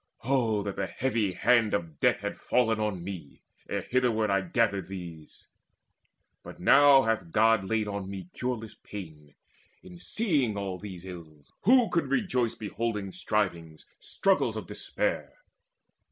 Oh that the heavy hand of death had fallen On me, ere hitherward I gathered these! But now hath God laid on me cureless pain In seeing all these ills. Who could rejoice Beholding strivings, struggles of despair?